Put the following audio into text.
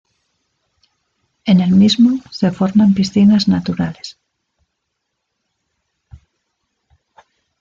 En el mismo se forman piscinas naturales.